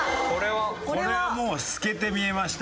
これはもう透けて見えました。